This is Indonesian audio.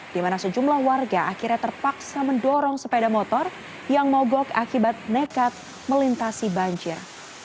di mana sejumlah warga akhirnya terpaksa mendorong sepeda motor yang mogok akibat nekat melintasi banjir